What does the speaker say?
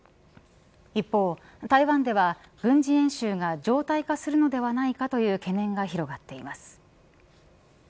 一方、台湾では軍事演習が常態化するのではないかとの懸念が広がっています。